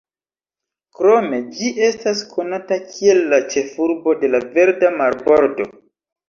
Krome, ĝi estas konata kiel la ĉefurbo de la "Verda marbordo".